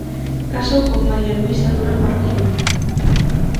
Casou con María Luisa Durán Marquina.